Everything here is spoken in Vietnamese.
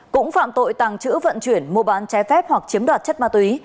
cũng phạm tội tàng trữ vận chuyển mua bán trái phép hoặc chiếm đoạt chất ma túy